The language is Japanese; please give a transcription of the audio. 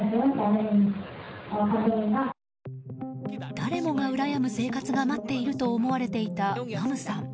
誰もがうらやむ生活が待っていると思われていたナムさん。